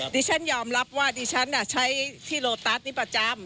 ดิฉันยอมรับว่าดิฉันใช้ที่โลตัสนี้ประจำ